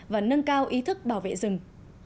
và nâng cao ý thức bảo vệ rừng